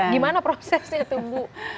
gimana prosesnya tuh bu